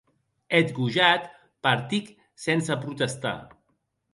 Eth gojat partic sense protestar.